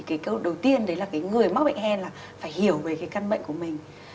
cái câu đầu tiên đấy là cái người mắc bệnh hen là phải hiểu về cái căn bệnh của mình